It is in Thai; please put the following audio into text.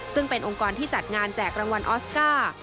ซึ่งเป็นองค์กรที่จัดงานแจกรางวัลออสการ์